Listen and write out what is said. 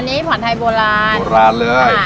อันนี้ผ่อนไทยโบราณโบราณเลย